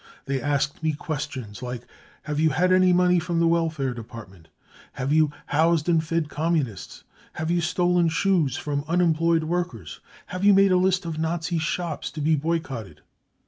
They asked me questions like : Have you had any money from the Welfare Department ? Have you housed and fed Communists ? Have you stolen shoes from unem ployed workers ? Have you made a list of Nazi shops to be boycotted